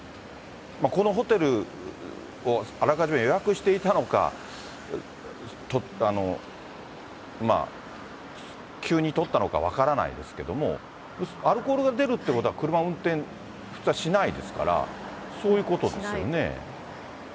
このホテルをあらかじめ予約していたのか、急に取ったのか分からないですけども、アルコールが出るってことは車運転、普通はしないですから、そういうことですよね。